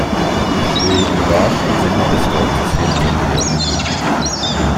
Ich stehe im wahrsten Sinne des Wortes hinter dir.